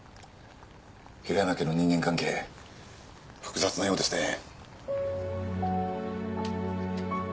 平山家の人間関係複雑なようですね。